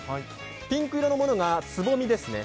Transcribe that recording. ピンク色のものがつぼみですね。